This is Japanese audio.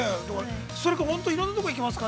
それか本当にいろんなところに行けますから。